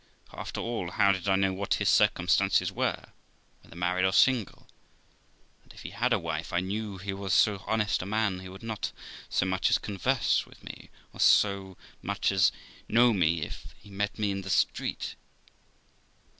For, after all, how did I know what his circumstances were ? whether married or single? And, if he had a wife, I knew he was so honest a man he would not so much as converse with me, or so much as know me if he met me in the street.